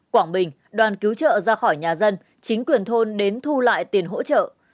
quảng bình đoàn cứu trợ ra khỏi nhà dân chính quyền thôn đến thu lại tiền hỗ trợ